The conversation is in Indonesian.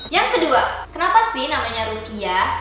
yang kedua kenapa sih namanya rukia